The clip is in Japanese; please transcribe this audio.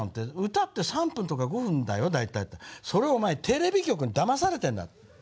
歌って３分とか５分だよ大体」と言ったら「それはおまえテレビ局にだまされてるんだ」。